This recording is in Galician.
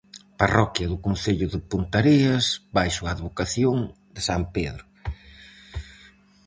Parroquia do concello de Ponteareas baixo a advocación de san Pedro.